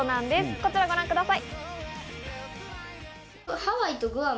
こちらをご覧ください。